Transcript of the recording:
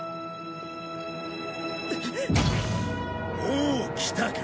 おう来たか。